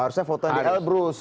harusnya foto di elbrus